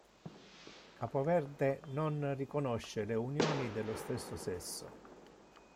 Capo Verde non riconosce le unioni dello stesso sesso.